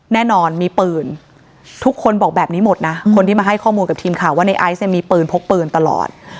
แน่นอนมีปืนทุกคนบอกแบบนี้หมดนะคนที่มาให้ข้อมูลกับทีมข่าวว่าในไอซ์เนี่ยมีปืนพกปืนตลอด